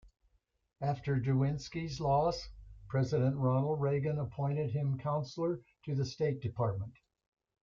After Derwinski's loss, President Ronald Reagan appointed him Counselor to the State Department.